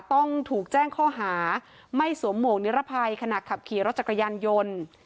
ต้องถูกแจ้งข้อหาไม่สวมหมวกนิรภัยขณะขับขี่รถจักรยานยนต์